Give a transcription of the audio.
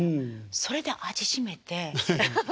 それで味しめてハハハ。